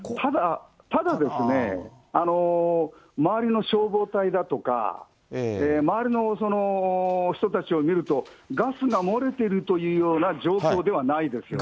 ただですね、周りの消防隊だとか、周りの人たちを見ると、ガスが漏れているというような状況ではないですよね。